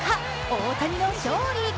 大谷の勝利。